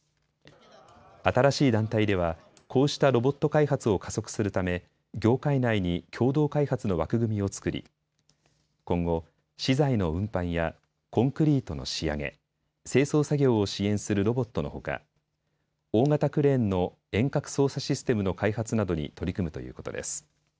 新しい団体では、こうしたロボット開発を加速するため業界内に共同開発の枠組みを作り、今後、資材の運搬やコンクリートの仕上げ、清掃作業を支援するロボットのほか大型クレーンの遠隔操作システムの開発などに取り組むということです。